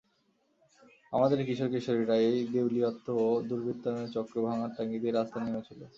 আমাদের কিশোর কিশোরীরা এই দেউলিয়াত্ব ও দুর্বৃত্তায়নের চক্র ভাঙার তাগিদেই রাস্তায় নেমেছিল।